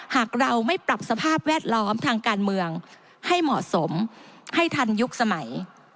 หากเราไม่ปรับสภาพแวดล้อมทางการเมืองให้เหมาะสมให้ทันยุคสมัย